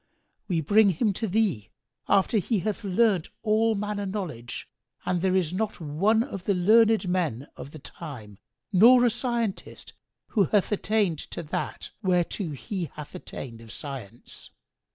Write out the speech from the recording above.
We bring him to thee, after he hath learnt all manner knowledge, and there is not one of the learned men of the time nor a scientist who hath attained to that whereto he hath attained of science."